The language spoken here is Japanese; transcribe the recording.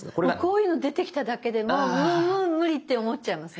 こういうの出てきただけでもうもうもう無理って思っちゃいますね。